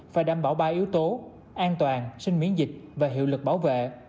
phải đảm bảo ba yếu tố an toàn sinh miễn dịch và hiệu lực bảo vệ